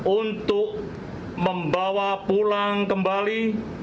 untuk membawa pulang kembali